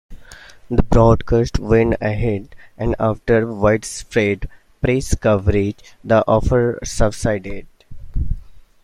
The broadcast went ahead and, after widespread press coverage, the uproar subsided.